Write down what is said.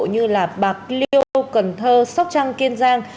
như bạc liêu cần thơ sóc trăng kiên giang